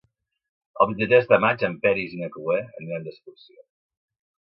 El vint-i-tres de maig en Peris i na Cloè aniran d'excursió.